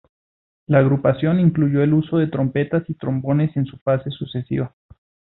La agrupación incluyó el uso de trompetas y trombones en su fase sucesiva.